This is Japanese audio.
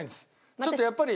ちょっとやっぱり。